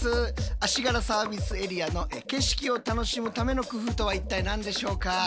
足柄サービスエリアの景色を楽しむための工夫とは一体何でしょうか？